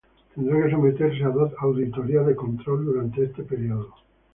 Tendrá que someterse a dos auditorías de control durante este período.